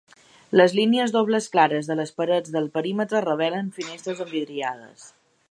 Les línies dobles clares de les parets del perímetre revelen finestres envidriades.